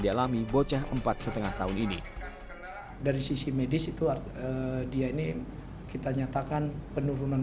dialami bocah empat setengah tahun ini dari sisi medis itu artinya dia ini kita nyatakan penurunan